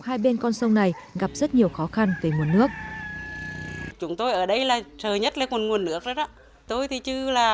hai bên con sông này gặp rất nhiều khó khăn về nguồn nước